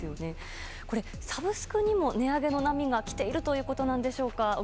サブスクにも値上げの波が来ているということでしょうか。